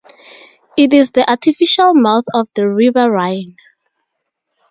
It is the artificial mouth of the river Rhine.